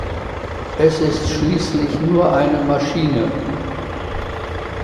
Es ist schließlich nur eine Maschine!